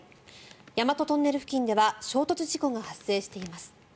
大和トンネル付近では衝突事故が発生しています。